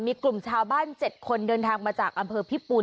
มีกลุ่มชาวบ้าน๗คนเดินทางมาจากอำเภอพิปูน